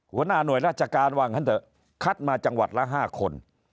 หัวหน้าหน่วยราชการว่างั้นเถอะคัดมาจังหวัดละ๕คน